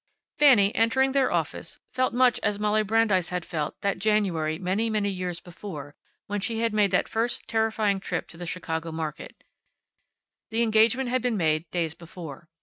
Fanny, entering their office, felt much as Molly Brandeis had felt that January many, many years before, when she had made that first terrifying trip to the Chicago market. The engagement had been made days before.